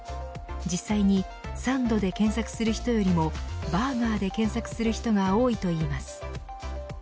実際にサンドで検索する人よりもバーガーで検索する人が多いといいます。